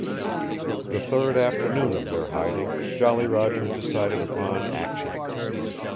The third afternoon of their hiding, Jolly Roger decided upon action.